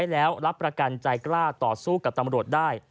แน่นใจกล้าต่อสู้กับตำรวจได้